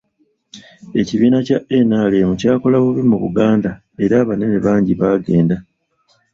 Ekibiina kya NRM kyakola bubi mu Buganda era abanene bangi bagenda.